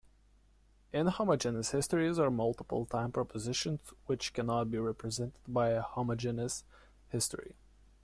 "Inhomogeneous histories" are multiple-time propositions which cannot be represented by a homogeneous history.